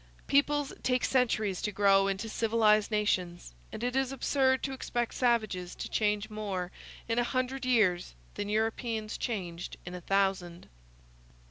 Peoples take centuries to grow into civilized nations; and it is absurd to expect savages to change more in a hundred years than Europeans changed in a thousand.